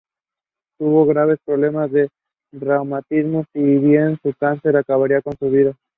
The midribs of the leaves are densely covered in soft hairs.